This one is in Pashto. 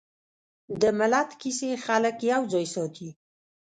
د ملت کیسې خلک یوځای ساتي.